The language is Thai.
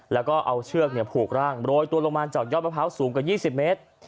แล้วก็เอาเชือกผูกร่างโรยตัวลงมาจากยอดมะพร้าวสูงกว่า๒๐เมตร